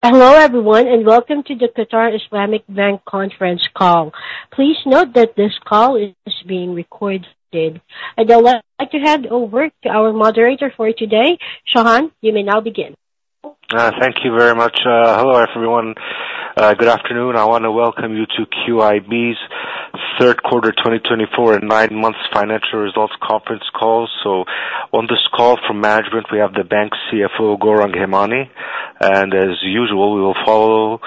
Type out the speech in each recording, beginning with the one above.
Hello, everyone, and welcome to the Qatar Islamic Bank conference call. Please note that this call is being recorded. I'd now like to hand over to our moderator for today. Shahan, you may now begin. Thank you very much. Hello, everyone. Good afternoon. I want to welcome you to QIB's third quarter, twenty twenty-four and nine months financial results conference call. So on this call from management, we have the bank's CFO, Gaurang Hemani. And as usual, we will follow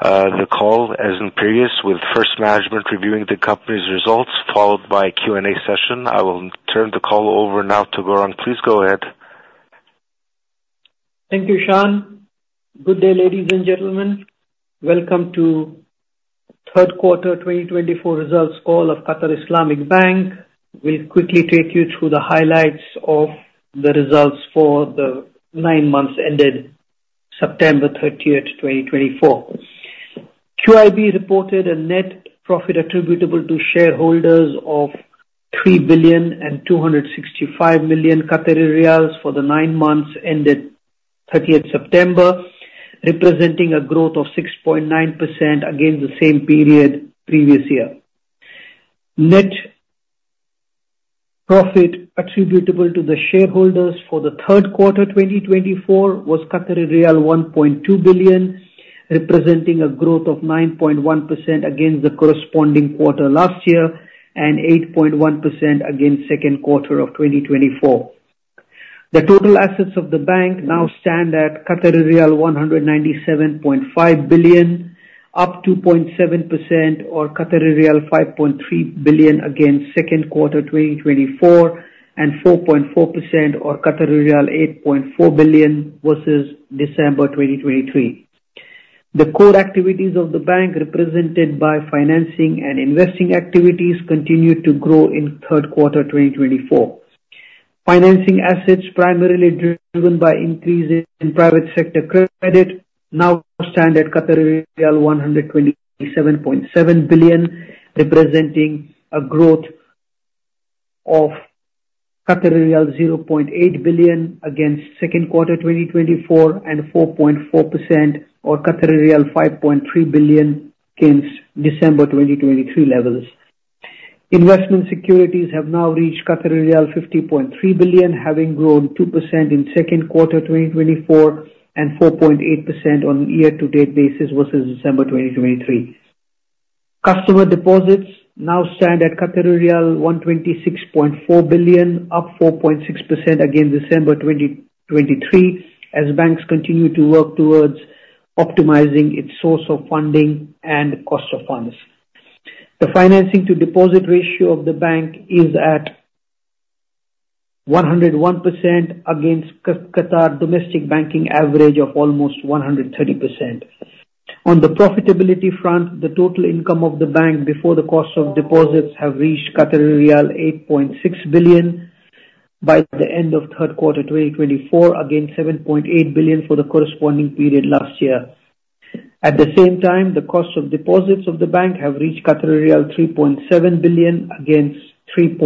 the call as in previous, with first management reviewing the company's results, followed by a Q&A session. I will turn the call over now to Gaurang. Please go ahead. Thank you, Shahan. Good day, ladies and gentlemen. Welcome to Third Quarter 2024 Results Call of Qatar Islamic Bank. We'll quickly take you through the highlights of the results for the nine months ended September 30, 2024. QIB reported a net profit attributable to shareholders of 3.265 billion for the nine months ended September 30, representing a growth of 6.9% against the same period previous year. Net profit attributable to the shareholders for the Third Quarter 2024 was 1.2 billion, representing a growth of 9.1% against the corresponding quarter last year, and 8.1% against second quarter of 2024. The total assets of the bank now stand at 197.5 billion, up 2.7%, or 5.3 billion against second quarter 2024, and 4.4%, or 8.4 billion versus December 2023. The core activities of the bank, represented by financing and investing activities, continued to grow in third quarter 2024. Financing assets, primarily driven by increases in private sector credit, now stand at 127.7 billion, representing a growth of 0.8 billion against second quarter 2024, and 4.4%, or 5.3 billion against December 2023 levels. Investment securities have now reached 50.3 billion, having grown 2% in second quarter 2024, and 4.8% on year-to-date basis versus December 2023. Customer deposits now stand at 126.4 billion, up 4.6% against December 2023, as banks continue to work towards optimizing its source of funding and cost of funds. The financing to deposit ratio of the bank is at 101% against Qatar domestic banking average of almost 130%. On the profitability front, the total income of the bank before the cost of deposits have reached 8.6 billion by the end of third quarter 2024, against 7.8 billion for the corresponding period last year. At the same time, the cost of deposits of the bank have reached 3.7 billion against 3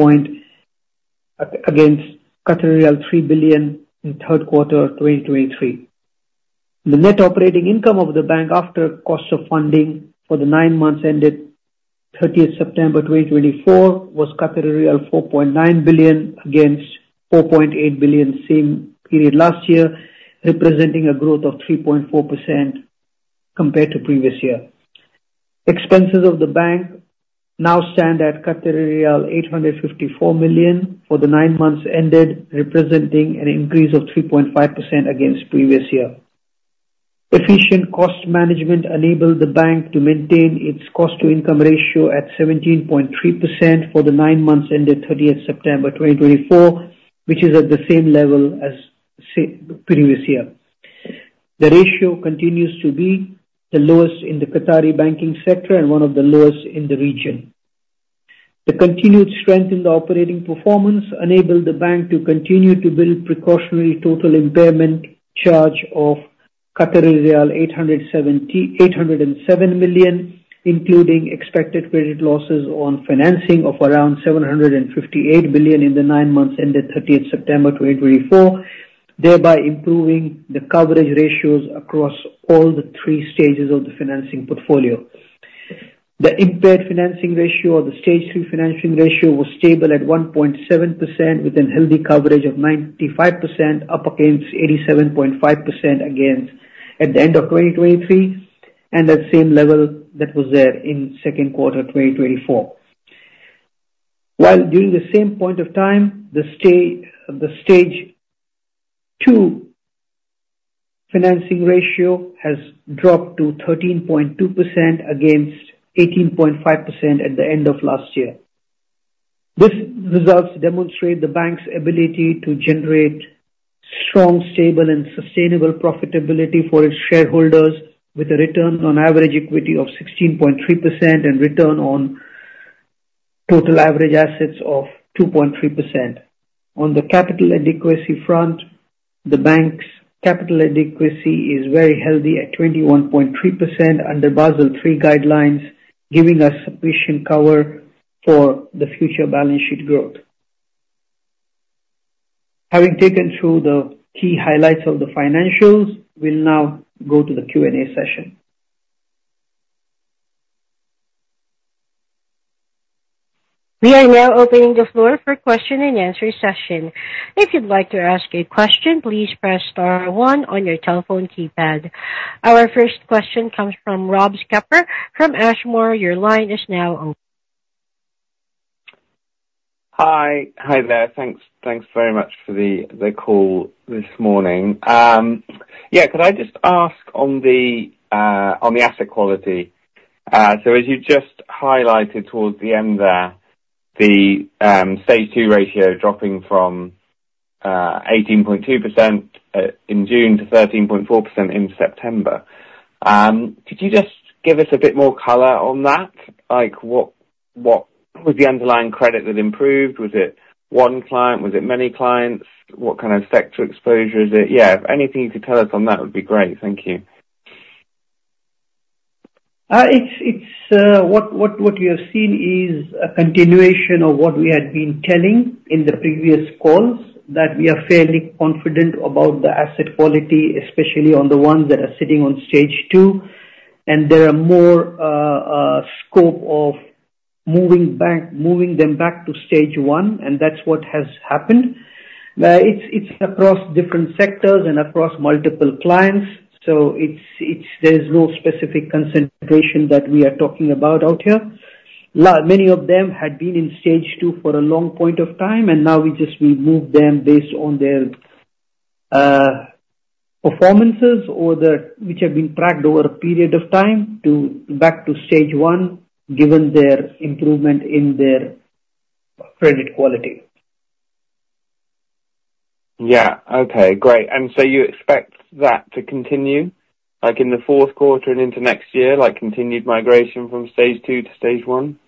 billion in third quarter 2023. The net operating income of the bank after cost of funding for the nine months ended thirtieth September 2024 was 4.9 billion against 4.8 billion same period last year, representing a growth of 3.4% compared to previous year. Expenses of the bank now stand at 854 million for the nine months ended, representing an increase of 3.5% against previous year. Efficient cost management enabled the bank to maintain its cost-to-income ratio at 17.3% for the nine months ended 13, September 2024, which is at the same level as previous year. The ratio continues to be the lowest in the Qatari banking sector and one of the lowest in the region. The continued strength in the operating performance enabled the bank to continue to build precautionary total impairment charge of 807 million, including expected credit losses on financing of around 758 million in the nine months ended 13, September 2024, thereby improving the coverage ratios across all the three stages of the financing portfolio. The impaired financing ratio, or the stage 3 financing ratio, was stable at 1.7%, with a healthy coverage of 95%, up against 87.5% at the end of 2023, and at the same level that was there in second quarter 2024. While during the same point of time, the stage 2 financing ratio has dropped to 13.2% against 18.5% at the end of last year. These results demonstrate the bank's ability to generate strong, stable, and sustainable profitability for its shareholders, with a return on average equity of 16.3% and return on total average assets of 2.3%. On the capital adequacy front, the bank's capital adequacy is very healthy, at 21.3% under Basel III guidelines, giving us sufficient cover for the future balance sheet growth. Having taken through the key highlights of the financials, we'll now go to the Q&A session. We are now opening the floor for question and answer session. If you'd like to ask a question, please press star one on your telephone keypad. Our first question comes from Rob Skipper from Ashmore. Your line is now open. Hi. Hi there. Thanks, thanks very much for the call this morning. Yeah, could I just ask on the asset quality? So as you just highlighted towards the end there, the Stage 2 ratio dropping from 18.2% in June to 13.4% in September. Could you just give us a bit more color on that? Like, what was the underlying credit that improved? Was it one client? Was it many clients? What kind of sector exposure is it? Yeah, anything you could tell us on that would be great. Thank you. It's what you have seen is a continuation of what we had been telling in the previous calls, that we are fairly confident about the asset quality, especially on the ones that are sitting on stage two. And there are more scope of moving them back to stage one, and that's what has happened. It's across different sectors and across multiple clients, so it's, there's no specific concentration that we are talking about out here. Many of them had been in stage two for a long point of time, and now we just, we move them based on their performances or the which have been tracked over a period of time, to back to stage one, given their improvement in their credit quality. Yeah. Okay, great. And so you expect that to continue, like, in the fourth quarter and into next year, like, continued migration from stage two to stage one?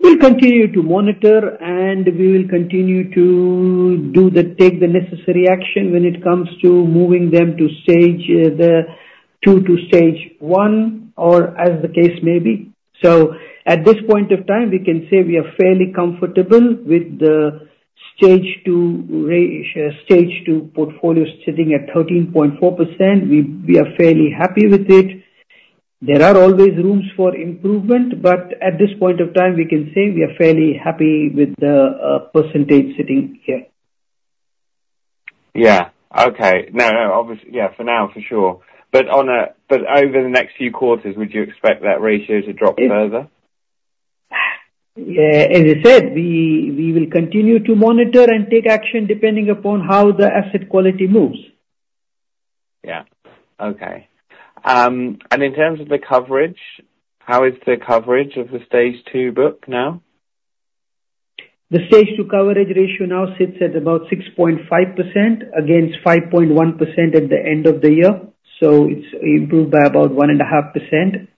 We'll continue to monitor, and we will continue to take the necessary action when it comes to moving them to stage two to stage one, or as the case may be. So at this point of time, we can say we are fairly comfortable with the stage two portfolio sitting at 13.4%. We are fairly happy with it. There are always rooms for improvement, but at this point of time, we can say we are fairly happy with the percentage sitting here. Yeah. Okay. No, no, obviously, yeah, for now, for sure. But over the next few quarters, would you expect that ratio to drop further? Yeah, as I said, we will continue to monitor and take action depending upon how the asset quality moves. Yeah. Okay. And in terms of the coverage, how is the coverage of the Stage two book now? The stage two coverage ratio now sits at about 6.5%, against 5.1% at the end of the year, so it's improved by about 1.5%.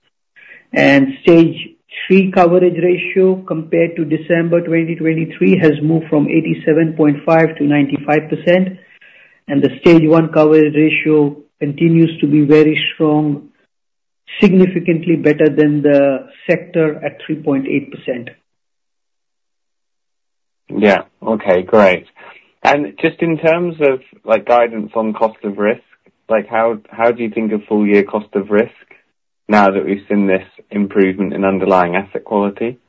And stage three coverage ratio, compared to December 2023, has moved from 87.5% to 95%, and the stage one coverage ratio continues to be very strong, significantly better than the sector, at 3.8%. Yeah. Okay, great. And just in terms of, like, guidance on cost of risk, like, how do you think of full year cost of risk now that we've seen this improvement in underlying asset quality?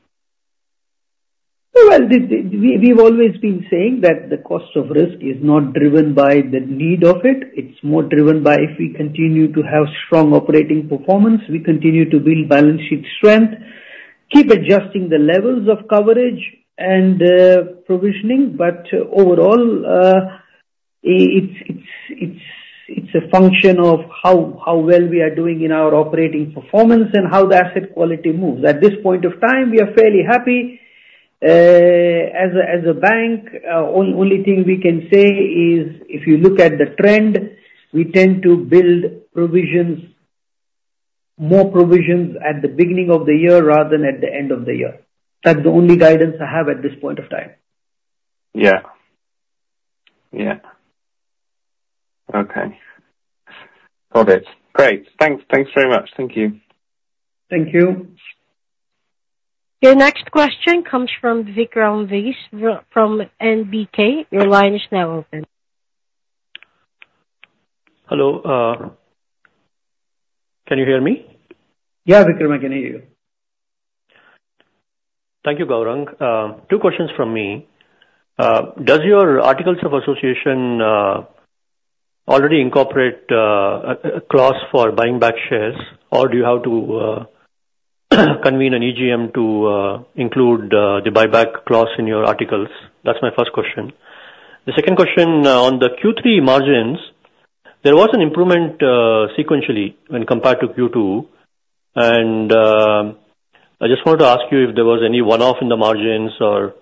We've always been saying that the cost of risk is not driven by the need of it. It's more driven by if we continue to have strong operating performance, we continue to build balance sheet strength, keep adjusting the levels of coverage and provisioning. But overall, it's a function of how well we are doing in our operating performance and how the asset quality moves. At this point of time, we are fairly happy. As a bank, only thing we can say is, if you look at the trend, we tend to build provisions, more provisions at the beginning of the year rather than at the end of the year. That's the only guidance I have at this point of time. Yeah. Yeah. Okay. Got it. Great! Thanks. Thanks very much. Thank you. Thank you. Your next question comes from Vikram Viswanathan, from NBK. Your line is now open. Hello, can you hear me? Yeah, Vikram, I can hear you. Thank you, Gaurang. Two questions from me: Does your articles of association already incorporate a clause for buying back shares, or do you have to convene an EGM to include the buyback clause in your articles? That's my first question. The second question, on the Q3 margins, there was an improvement sequentially when compared to Q2, and I just wanted to ask you if there was any one-off in the margins or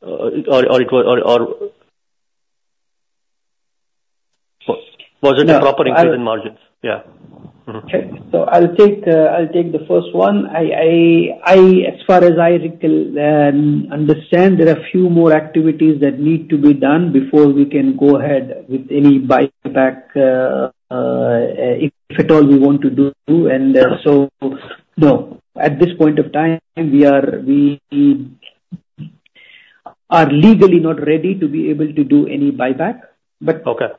it was... Was it- Yeah. a proper improvement in margins? Yeah. Mm-hmm. Okay, so I'll take the first one. As far as I recall, I understand, there are a few more activities that need to be done before we can go ahead with any buyback, if at all we want to do, so no, at this point of time, we are legally not ready to be able to do any buyback, but- Okay.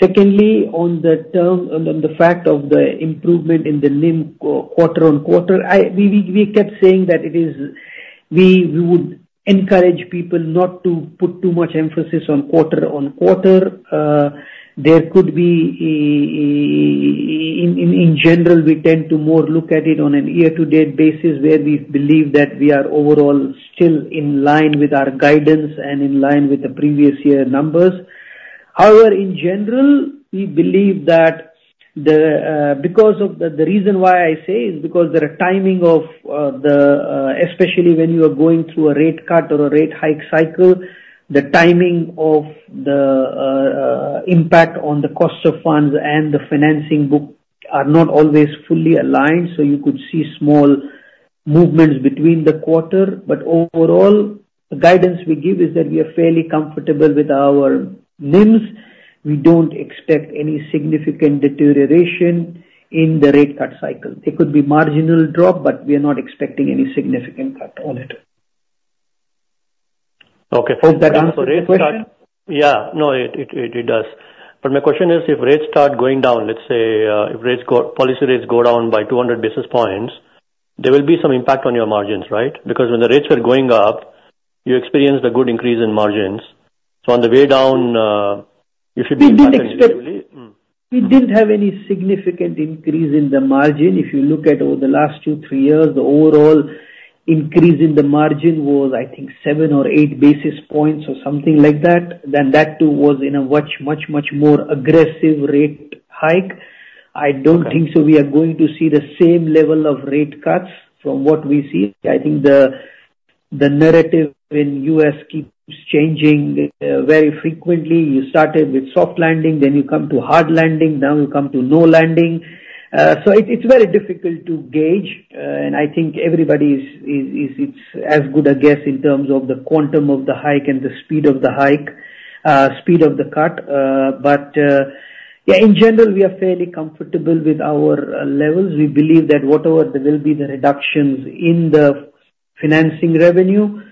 Secondly, on the fact of the improvement in the NIM quarter on quarter, we kept saying that we would encourage people not to put too much emphasis on quarter on quarter. In general, we tend to more look at it on a year-to-date basis, where we believe that we are overall still in line with our guidance and in line with the previous year numbers. However, in general, we believe that because of the... The reason why I say is because there are timing of, the, especially when you are going through a rate cut or a rate hike cycle, the timing of the, impact on the cost of funds and the financing book are not always fully aligned, so you could see small movements between the quarter. But overall, the guidance we give is that we are fairly comfortable with our NIMs. We don't expect any significant deterioration in the rate cut cycle. It could be marginal drop, but we are not expecting any significant impact on it. Okay. Hope that answers your question? Yeah. No, it does. But my question is: if rates start going down, let's say, policy rates go down by two hundred basis points, there will be some impact on your margins, right? Because when the rates were going up, you experienced a good increase in margins. So on the way down, you should be impacting it. We didn't have any significant increase in the margin. If you look at over the last two, three years, the overall increase in the margin was, I think, seven or eight basis points or something like that, then that too was in a much, much, much more aggressive rate hike. I don't think so. We are going to see the same level of rate cuts from what we see. I think the narrative in U.S. keeps changing very frequently. You started with soft landing, then you come to hard landing, now you come to no landing. So it is very difficult to gauge, and I think everybody's is it's as good a guess in terms of the quantum of the hike and the speed of the hike, speed of the cut. But yeah, in general, we are fairly comfortable with our levels. We believe that whatever there will be the reductions in the financing revenue,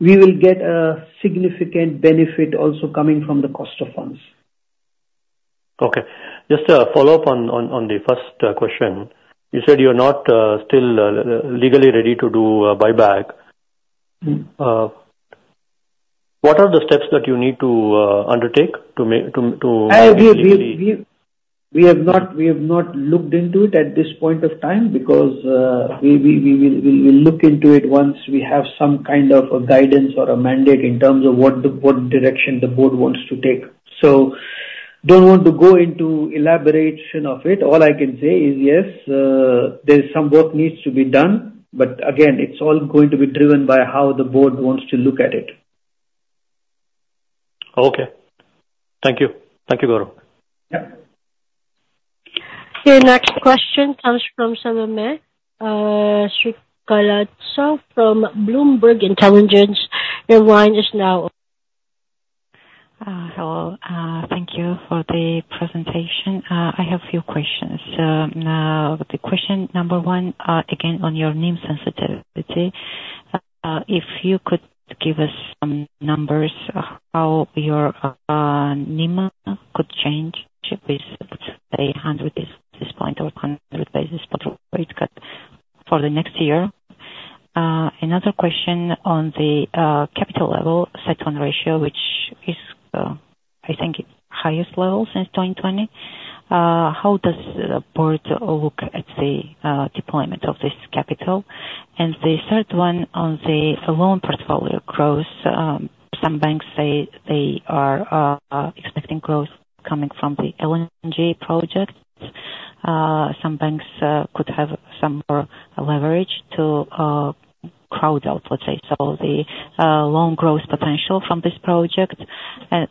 we will get a significant benefit also coming from the cost of funds. Okay. Just a follow-up on the first question. You said you're not still legally ready to do buyback. Mm. What are the steps that you need to undertake to make We have not looked into it at this point of time, because we will look into it once we have some kind of a guidance or a mandate in terms of what direction the board wants to take, so don't want to go into elaboration of it. All I can say is, yes, there's some work needs to be done, but again, it's all going to be driven by how the board wants to look at it. Okay. Thank you. Thank you, Gaurang. Yeah. Okay, next question comes from Salome Skhirtladze from Bloomberg Intelligence, your line is now open. Hello. Thank you for the presentation. I have a few questions. The question number one, again, on your NIM sensitivity. If you could give us some numbers, how your NIM could change with, say, a hundred basis point rate cut for the next year? Another question on the capital level, CET1 ratio, which is, I think, the highest level since 2020. How does the board look at the deployment of this capital? And the third one on the loan portfolio growth. Some banks say they are expecting growth coming from the LNG project. Some banks could have some more leverage to crowd out, let's say, so the loan growth potential from this project.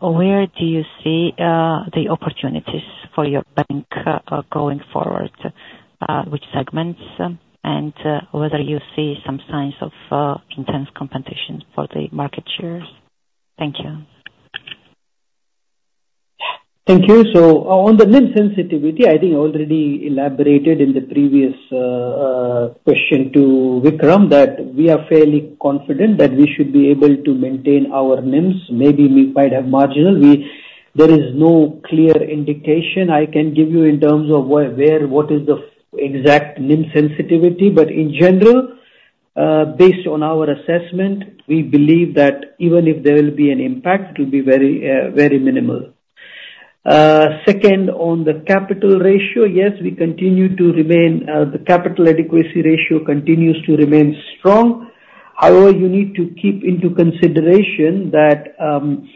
Where do you see the opportunities for your bank going forward? Which segments, and whether you see some signs of intense competition for the market shares? Thank you. Thank you. So on the NIM sensitivity, I think I already elaborated in the previous question to Vikram, that we are fairly confident that we should be able to maintain our NIMs, maybe we might have marginal. There is no clear indication I can give you in terms of where, what is the exact NIM sensitivity. But in general, based on our assessment, we believe that even if there will be an impact, it will be very, very minimal. Second, on the capital ratio, yes, we continue to remain, the capital adequacy ratio continues to remain strong. However, you need to keep into consideration that, from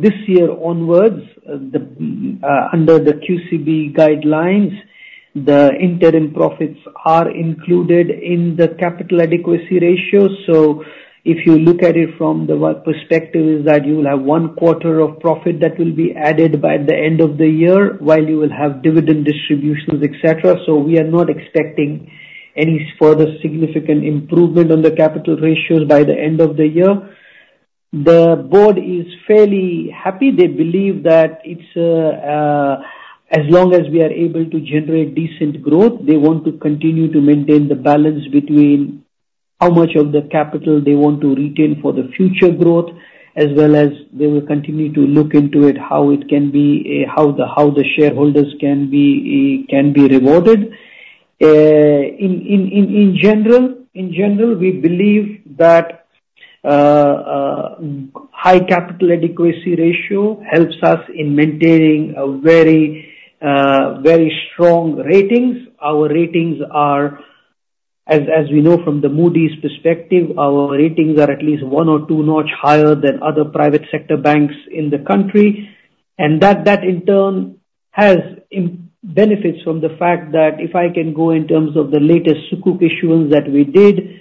this year onwards, under the QCB guidelines, the interim profits are included in the capital adequacy ratio. So if you look at it from the work perspective, is that you will have one quarter of profit that will be added by the end of the year, while you will have dividend distributions, etc. So we are not expecting any further significant improvement on the capital ratios by the end of the year. The board is fairly happy. They believe that it's as long as we are able to generate decent growth, they want to continue to maintain the balance between how much of the capital they want to retain for the future growth, as well as they will continue to look into it, how it can be, how the shareholders can be rewarded. In general, we believe that high capital adequacy ratio helps us in maintaining a very strong ratings. Our ratings are, as we know from the Moody's perspective, at least one or two notch higher than other private sector banks in the country. And that in turn has benefits from the fact that if I can go in terms of the latest Sukuk issuance that we did,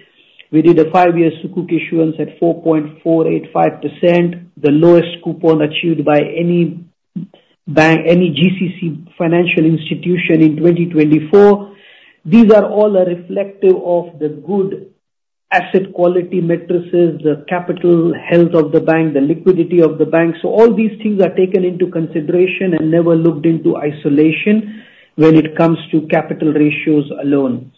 we did a five-year Sukuk issuance at 4.485%, the lowest coupon achieved by any bank, any GCC financial institution in 2024. These are all reflective of the good asset quality metrics, the capital health of the bank, the liquidity of the bank. So all these things are taken into consideration and never looked into isolation when it comes to capital ratios alone.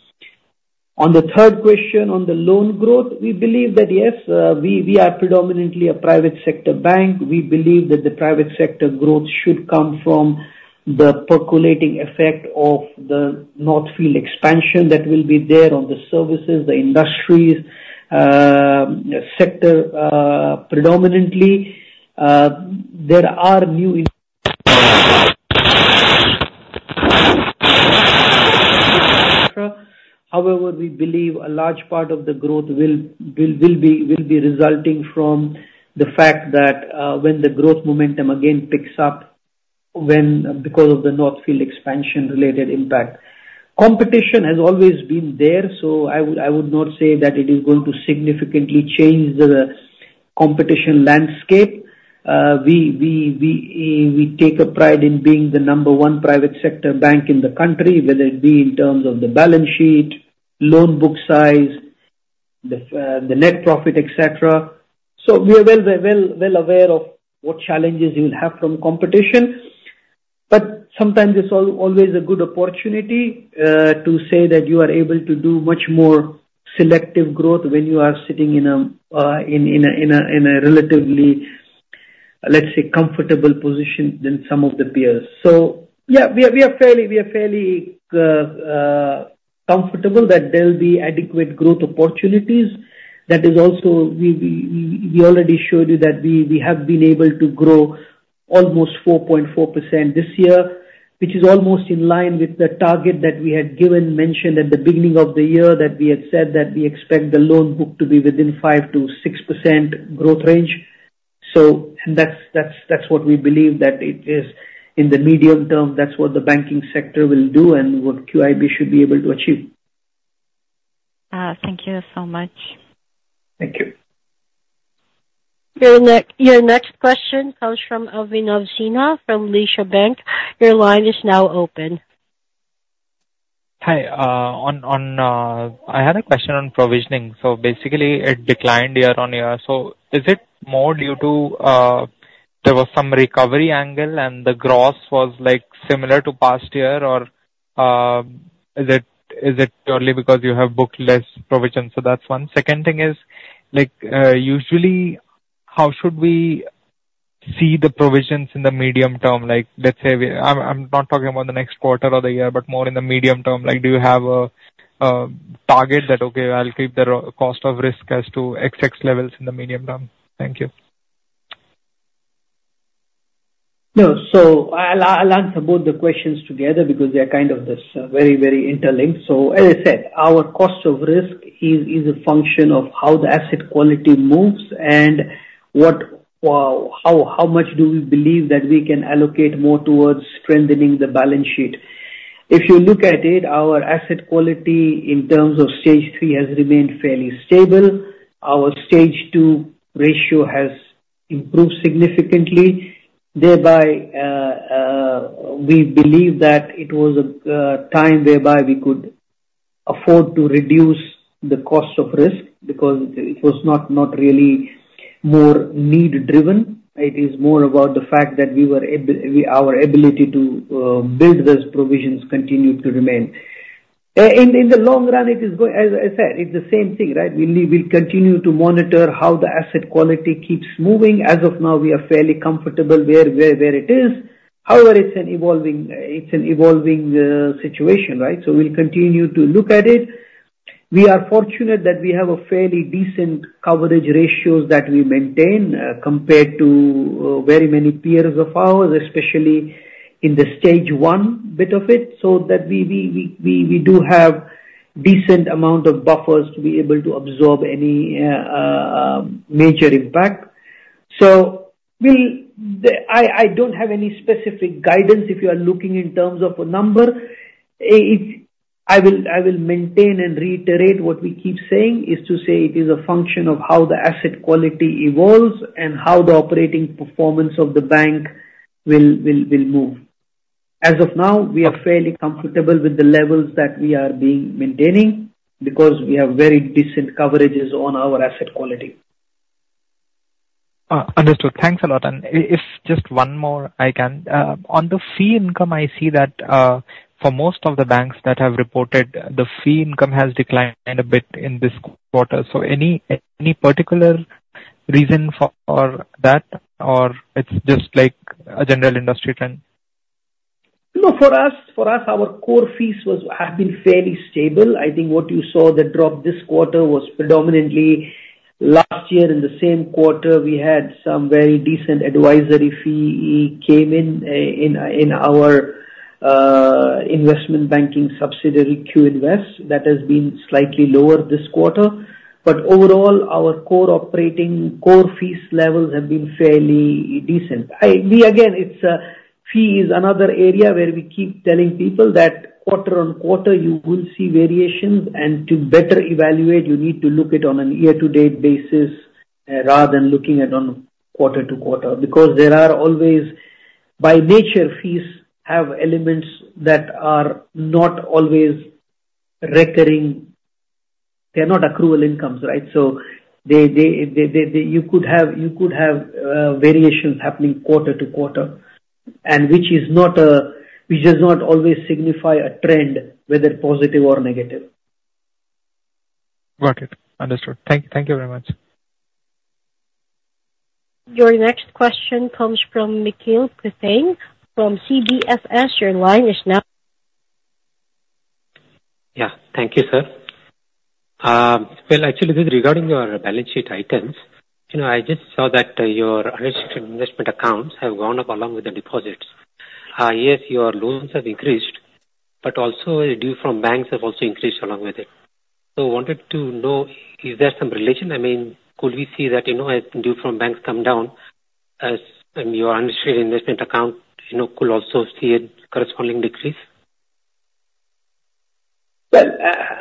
On the third question, on the loan growth, we believe that yes, we are predominantly a private sector bank. We believe that the private sector growth should come from the percolating effect of the North Field expansion that will be there on the services, the industries, sector, predominantly. However, we believe a large part of the growth will be resulting from the fact that, when the growth momentum again picks up, when because of the North Field expansion related impact. Competition has always been there, so I would not say that it is going to significantly change the competition landscape. We take a pride in being the number one private sector bank in the country, whether it be in terms of the balance sheet, loan book size, the net profit, etc. So we are well aware of what challenges we will have from competition, but sometimes it's always a good opportunity to say that you are able to do much more selective growth when you are sitting in a relatively, let's say, comfortable position than some of the peers. So yeah, we are fairly comfortable that there will be adequate growth opportunities. That is also we already showed you that we have been able to grow almost 4.4% this year, which is almost in line with the target that we had given mention at the beginning of the year, that we had said that we expect the loan book to be within 5%-6% growth range. So and that's what we believe, that it is in the medium term, that's what the banking sector will do and what QIB should be able to achieve. Thank you so much. Thank you. Your next question comes from Alvin Alsina from Lesha Bank. Your line is now open. Hi. I had a question on provisioning. So basically, it declined year on year. So is it more due to there was some recovery angle and the gross was, like, similar to past year? Or is it purely because you have booked less provisions? So that's one. Second thing is, like, usually, how should we see the provisions in the medium term? Like, let's say, I'm not talking about the next quarter or the year, but more in the medium term. Like, do you have a target that, okay, I'll keep the ro- cost of risk as to XX levels in the medium term? Thank you. No. So I'll answer both the questions together because they are kind of this very, very interlinked. So as I said, our cost of risk is a function of how the asset quality moves and how much do we believe that we can allocate more towards strengthening the balance sheet. If you look at it, our asset quality in terms of stage three has remained fairly stable. Our stage two ratio has improved significantly. Thereby, we believe that it was a time whereby we could afford to reduce the cost of risk because it was not, not really more need-driven. It is more about the fact that we were able. Our ability to build those provisions continued to remain. In the long run, it is as I said, it's the same thing, right? We'll continue to monitor how the asset quality keeps moving. As of now, we are fairly comfortable where it is. However, it's an evolving situation, right? So we'll continue to look at it. We are fortunate that we have fairly decent coverage ratios that we maintain, compared to very many peers of ours, especially in the Stage one bit of it, so that we do have decent amount of buffers to be able to absorb any major impact. So, I don't have any specific guidance, if you are looking in terms of a number. I will maintain and reiterate what we keep saying, is to say it is a function of how the asset quality evolves and how the operating performance of the bank will move. As of now, we are fairly comfortable with the levels that we are being maintaining, because we have very decent coverages on our asset quality. Understood. Thanks a lot, and if just one more I can, on the fee income, I see that, for most of the banks that have reported, the fee income has declined a bit in this quarter. So any particular reason for that, or it's just like a general industry trend? No, for us, for us, our core fees was-- have been fairly stable. I think what you saw, the drop this quarter, was predominantly last year in the same quarter, we had some very decent advisory fee came in, in, in our, investment banking subsidiary, QInvest. That has been slightly lower this quarter. But overall, our core operating, core fees levels have been fairly decent. I-- we, again, it's, fee is another area where we keep telling people that quarter on quarter you will see variations, and to better evaluate, you need to look at on a year-to-date basis, rather than looking at on quarter to quarter. Because there are always, by nature, fees have elements that are not always recurring. They are not accrual incomes, right? So, you could have variations happening quarter to quarter, which does not always signify a trend, whether positive or negative. Got it. Understood. Thank you very much. Your next question comes from Nikhil Prith from CGSS. Your line is now- Yeah. Thank you, sir. Well, actually, this is regarding your balance sheet items. You know, I just saw that your unrestricted investment accounts have gone up along with the deposits. Yes, your loans have increased, but also due from banks have also increased along with it. So wanted to know, is there some relation? I mean, could we see that, you know, as due from banks come down, as your unrestricted investment account, you know, could also see a corresponding decrease?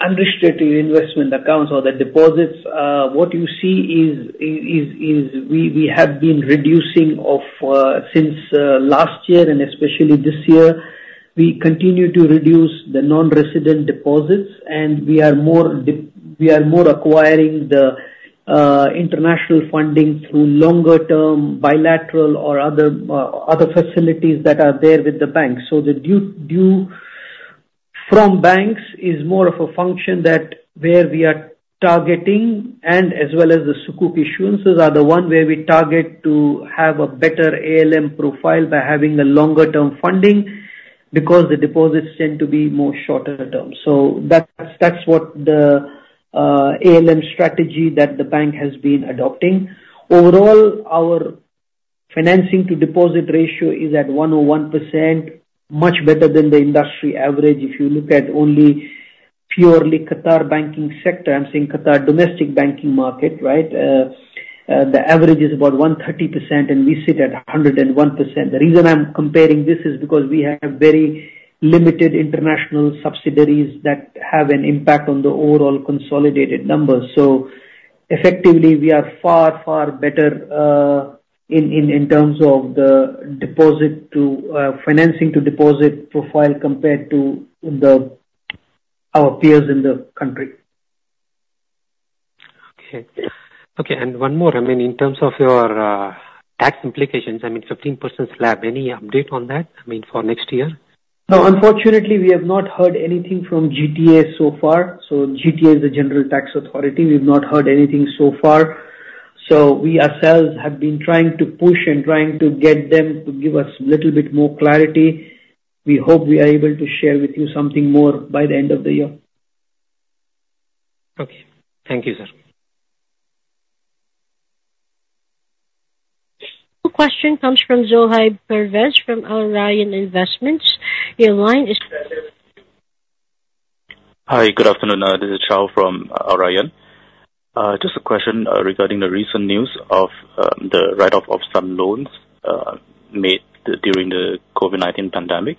Unrestricted investment accounts or the deposits, what you see is we have been reducing since last year and especially this year. We continue to reduce the non-resident deposits, and we are more acquiring the international funding through longer-term bilateral or other facilities that are there with the bank. So due from banks is more of a function that where we are targeting, and as well as the Sukuk issuances are the one where we target to have a better ALM profile by having a longer-term funding, because the deposits tend to be more shorter term. So that's what the ALM strategy that the bank has been adopting. Overall, our financing to deposit ratio is at 101%, much better than the industry average. If you look at only purely Qatar banking sector, I'm saying Qatar domestic banking market, right? The average is about 130%, and we sit at 101%. The reason I'm comparing this is because we have very limited international subsidiaries that have an impact on the overall consolidated numbers. So effectively, we are far, far better in terms of the deposit to financing to deposit profile compared to our peers in the country. Okay. Okay, and one more, I mean, in terms of your, tax implications, I mean, 15% slab, any update on that, I mean, for next year? No, unfortunately, we have not heard anything from GTA so far. So GTA is the General Tax Authority. We've not heard anything so far. So we ourselves have been trying to push and trying to get them to give us little bit more clarity. We hope we are able to share with you something more by the end of the year. Okay. Thank you, sir. The question comes from Zohair Pervez, from Al Rayan Investment. Your line is- Hi, good afternoon. This is Zohair from Al Rayan. Just a question regarding the recent news of the write-off of some loans made during the COVID-19 pandemic.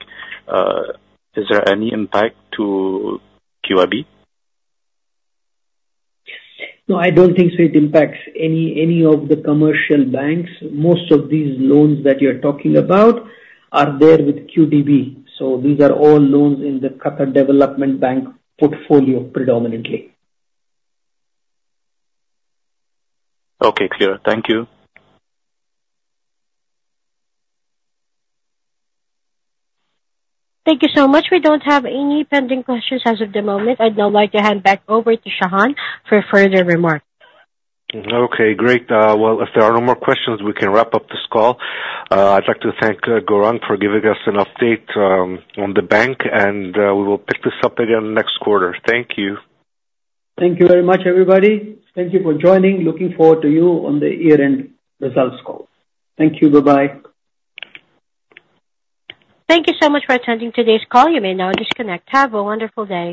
Is there any impact to QIB? No, I don't think so. It impacts any of the commercial banks. Most of these loans that you're talking about are there with QDB, so these are all loans in the Qatar Development Bank portfolio, predominantly. Okay. Clear. Thank you. Thank you so much. We don't have any pending questions as of the moment. I'd now like to hand back over to Shahan for further remarks. Okay, great. Well, if there are no more questions, we can wrap up this call. I'd like to thank Gaurang for giving us an update on the bank, and we will pick this up again next quarter. Thank you. Thank you very much, everybody. Thank you for joining. Looking forward to you on the year-end results call. Thank you. Bye-bye. Thank you so much for attending today's call. You may now disconnect. Have a wonderful day.